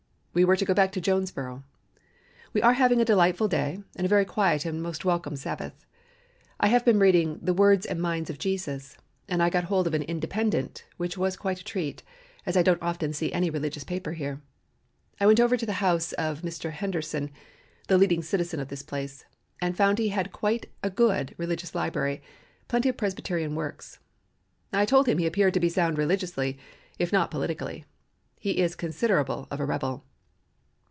We were to go back to Jonesboro. We are having a delightful day and a very quiet and most welcome Sabbath. I have been reading 'The Words and Mind of Jesus,' and I got hold of an 'Independent,' which was quite a treat, as I don't often see any religious paper here. I went over to the house of Mr. Henderson (the leading citizen of this place) and found he had quite a good religious library; plenty of Presbyterian works. I told him he appeared to be sound religiously, if not politically; he is considerable of a rebel.